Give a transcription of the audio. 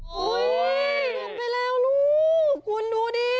ลงไปแล้วลูกคุณดูดิ